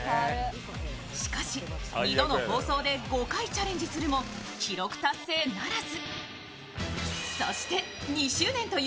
しかし、２度の放送で５回チャレンジするも記録達成ならず。